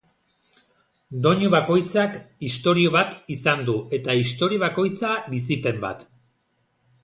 Doinu bakoitzak istorio bat izan du eta istorio bakoitza bizipen bat.